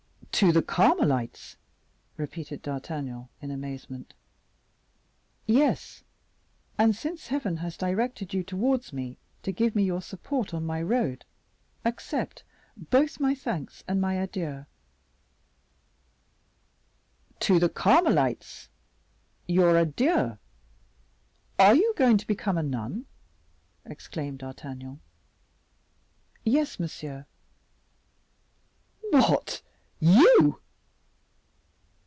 "To the Carmelites?" repeated D'Artagnan, in amazement. "Yes; and since Heaven has directed you towards me to give me your support on my road, accept both my thanks and my adieux." "To the Carmelites! Your adieux! Are you going to become a nun?" exclaimed D'Artagnan. "Yes, monsieur." "What, you!!!"